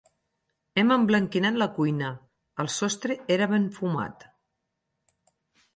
Hem emblanquinat la cuina: el sostre era ben fumat.